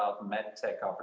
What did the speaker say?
untuk mengajukan dokter